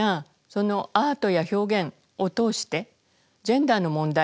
そのアートや表現を通してジェンダーの問題